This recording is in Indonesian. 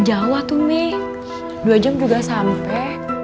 dua jam juga sampe